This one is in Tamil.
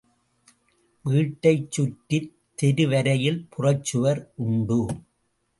வீட்டைச் சுற்றித் தெருவரையில் புறச்சுவர் உண்டு.